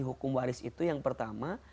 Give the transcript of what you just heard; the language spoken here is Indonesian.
hukum waris itu yang pertama